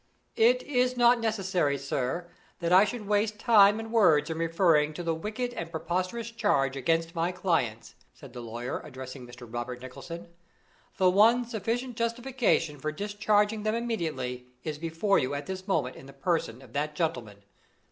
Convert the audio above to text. "It is not necessary, sir, that I should waste time and words in referring to the wicked and preposterous charge against my clients," said the lawyer, addressing Mr. Robert Nicholson. "The one sufficient justification for discharging them immediately is before you at this moment in the person of that gentleman.